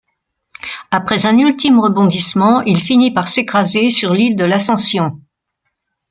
Après un ultime rebondissement, il finit par s'écraser sur l'île de l'Ascension.